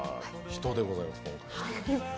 人でございます。